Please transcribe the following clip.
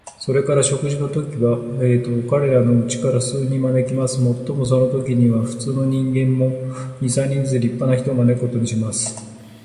それから食事のときには、彼等のうちから数人招きます。もっともそのときには、普通の人間も、二三人ずつ立派な人を招くことにします。